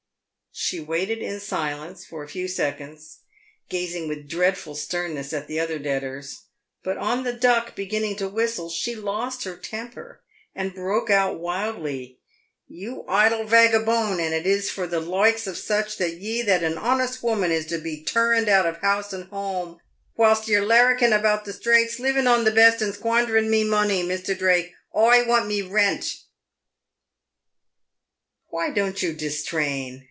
She waited in silence for a few seconds, gazing with dreadful sternness at the other debtors ; but on the Duck beginning to whistle, she lost her temper, and broke out wildly, " You idle vaggabone ! and is it for the loikes of such as ye that an honest woman is to be turruned out of house and home, whilst ye're larruking about the strates, living on the best and squandering mee monee. Misther Drake, oi want mee rent." 118 PAVED WITH GOLD. "Why don't you distrain